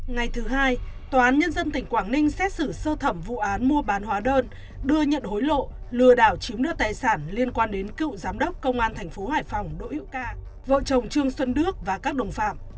ngày thứ hai tòa án nhân dân tỉnh quảng ninh xét xử sơ thẩm vụ án mua bán hóa đơn đưa nhận hối lộ lừa đảo chiếm đoạt tài sản liên quan đến cựu giám đốc công an tp hải phòng đỗ hữu ca vợ chồng trương xuân đức và các đồng phạm